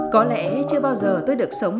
có lẽ chưa bao giờ tôi được sống